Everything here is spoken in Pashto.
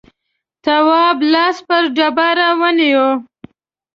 تواب لاس پر ډبره ونيو.